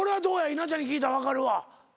稲ちゃんに聞いたら分かるわ。